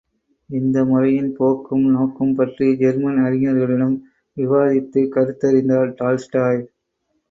இந்த முறையின் போக்கும் நோக்கும் பற்றி ஜெர்மன் அறிஞர்களிடம் விவாதித்துக் கருத்தறிந்தார் டால்ஸ்டாய்.